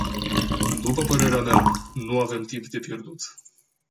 După părerea mea, nu avem timp de pierdut.